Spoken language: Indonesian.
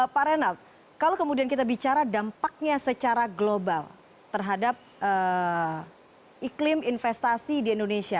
pak renald kalau kemudian kita bicara dampaknya secara global terhadap iklim investasi di indonesia